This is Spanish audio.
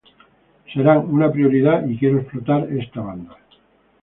Serán una prioridad, y quiero explotar esta banda".